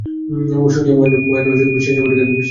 শুনিয়া মহেন্দ্র সে ছবিটাকে নষ্ট করিয়া ফেলিল।